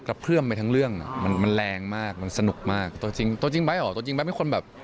กระเพื่อมไปทั้งเรื่องอ่ะมันมันแรงมากมันสนุกมากตัวจริงตัวจริงไหรอตัวจริงไหมเป็นคนแบบ